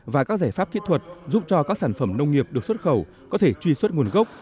và các giải pháp kỹ thuật giúp cho các sản phẩm nông nghiệp được xuất khẩu có thể truy xuất nguồn gốc